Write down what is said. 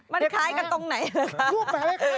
มันคล้ายกันตรงไหนนะครับ